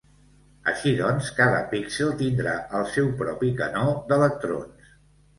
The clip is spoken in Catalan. Així doncs, cada píxel tindrà el seu propi canó d'electrons.